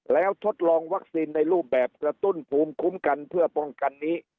แล้วทดลองวัคซีนในรูปแบบกระตุ้นภูมิคุ้มกันเพื่อป้องกันนี้